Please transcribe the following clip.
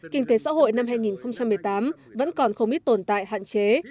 kinh tế xã hội năm hai nghìn một mươi tám vẫn còn không ít tồn tại hạn chế